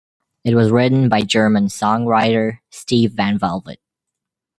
It was written by German songwriter Steve van Velvet.